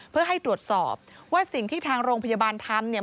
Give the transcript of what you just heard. เพื่อให้ตรวจสอบว่าสิ่งที่ทางโรงพยาบาลทำเนี่ย